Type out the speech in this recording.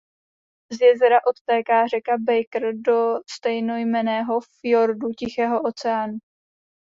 Z jezera odtéká řeka Baker do stejnojmenného fjordu Tichého oceánu.